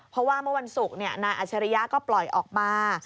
เพราะว่าเมื่อวันศุกร์นายอัชริยะก็ปล่อยออกมา